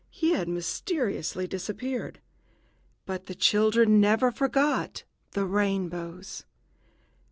He had mysteriously disappeared. But the children never forgot the rainbows.